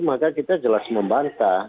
maka kita jelas membantah